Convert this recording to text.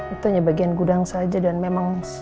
itu hanya bagian gudang saja dan memang